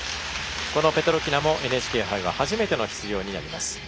このペトロキナもＮＨＫ杯は初めての出場となります。